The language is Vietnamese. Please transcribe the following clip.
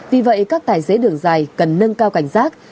vì vậy các tài xế đường dài cần nâng cao cảnh giác